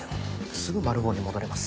すぐマル暴に戻れます。